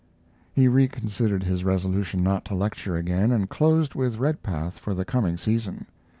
He reconsidered his resolution not to lecture again, and closed with Redpath for the coming season.